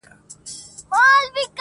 څه کوه، څه پرېږده.